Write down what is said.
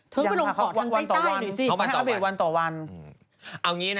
เธอก็ไปลงบ่อทางใต้หน่อยสิถ้าเป็นวันต่อวัน